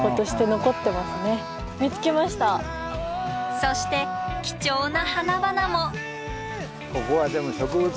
そして貴重な花々も！